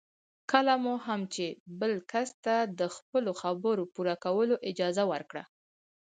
کله مو هم چې بل کس ته د خپلو خبرو پوره کولو اجازه ورکړه.